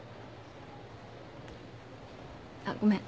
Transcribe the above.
あっごめん。